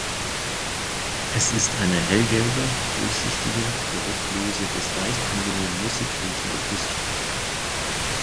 Es ist eine hellgelbe, durchsichtige, geruchlose bis leicht angenehm nussig riechende Flüssigkeit.